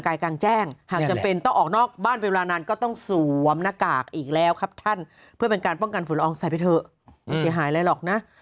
การป้องกันฝูนร้องใส่ไปเถอะไม่เสียหายอะไรหรอกนะ